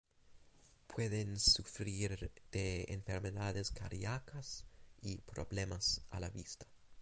Pueden sufrir de enfermedades cardíacas y problemas a la vista.